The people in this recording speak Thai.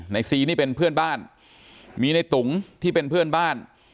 ซีนี่เป็นเพื่อนบ้านมีในตุ๋งที่เป็นเพื่อนบ้าน